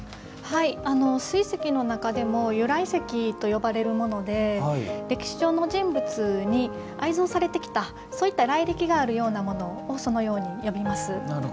水石の中でも由来石といわれるもので歴史上の人物に愛蔵されてきたそういった来歴のあるものをそのように呼びます。